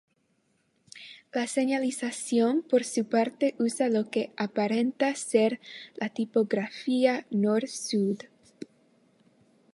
La señalización por su parte usa lo que aparenta ser la tipografía "Nord-Sud".